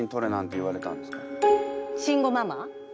慎吾ママ。